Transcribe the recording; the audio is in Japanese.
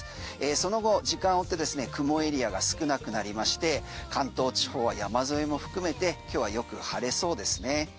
その後時間を追って雲エリアが少なくなりまして関東地方は山沿いも含めて今日はよく晴れそうですね。